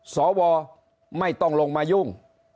สวไม่ต้องลงมายุ่ง